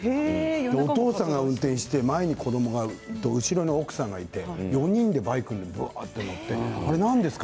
お父さんが運転して前に子どもがいて後ろに奥さんがいて４人でバイク、乗っていてなんでですか？